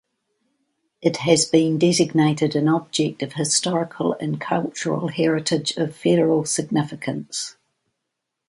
It has been designated an object of historical and cultural heritage of federal significance.